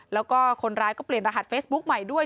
แล้วก็คนร้ายก็เปลี่ยนรหัสเฟซบุ๊คใหม่ด้วย